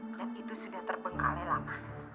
dan itu sudah terbengkalai lama